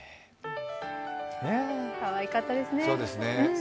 かわいかったですね。